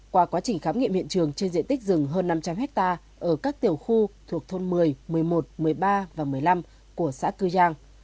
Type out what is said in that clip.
qua quá trình khám nghiệm hiện trường trên diện tích rừng hơn năm trăm linh hectare ở các tiểu khu thuộc thôn một mươi một mươi một một mươi ba và một mươi năm của xã cư giang